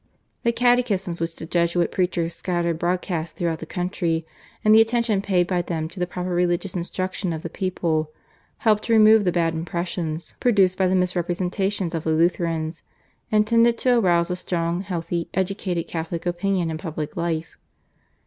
The catechisms which the Jesuit preachers scattered broadcast through the country, and the attention paid by them to the proper religious instruction of the people helped to remove the bad impressions produced by the misrepresentations of the Lutherans, and tended to arouse a strong, healthy, educated Catholic opinion in public life.